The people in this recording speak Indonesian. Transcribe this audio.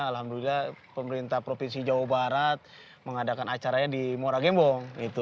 alhamdulillah pemerintah provinsi jawa barat mengadakan acaranya di muara gembong